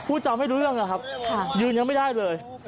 จำไม่รู้เรื่องอะครับยืนยังไม่ได้เลย